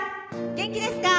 元気ですかー？」